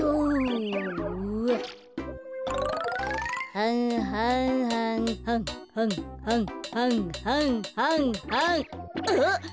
はんはんはんはんはんはんはんはんはんはん。あっ！